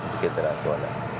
untuk kita asolat